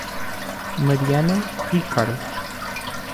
Mariana e Carlos